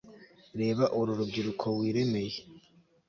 reba uru rubyiruko wiremeye